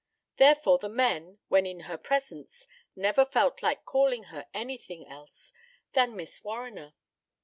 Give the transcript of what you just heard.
Therefore the men, when in her presence, never felt like calling her anything else than "Miss Warriner."